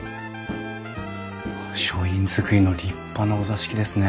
書院造りの立派なお座敷ですね。